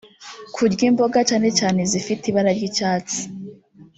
kurya imboga cyane cyane izifite ibara ry’icyatsi